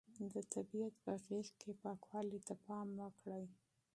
د طبیعت په غېږ کې پاکوالي ته پام وکړئ.